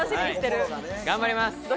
頑張ります！